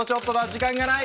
時間がない。